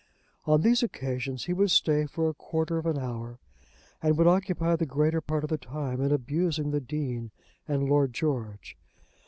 On these occasions he would stay for a quarter of an hour, and would occupy the greater part of the time in abusing the Dean and Lord George.